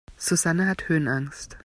Susanne hat Höhenangst.